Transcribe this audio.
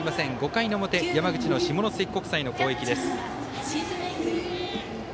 ５回の表、山口の下関国際の攻撃。